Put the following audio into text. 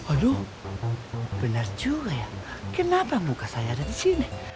aduh benar juga ya kenapa muka saya ada di sini